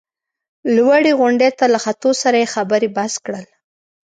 لوړې غونډۍ ته له ختو سره یې خبرې بس کړل.